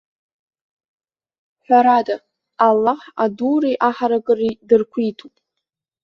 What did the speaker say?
Ҳәарада, Аллаҳ адуреи аҳаракыреи дырқәиҭуп.